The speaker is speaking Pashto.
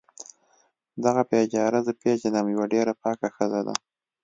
دغه بیچاره زه پیږنم یوه ډیره پاکه ښځه ده